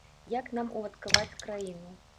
Як нам уладкаваць краіну?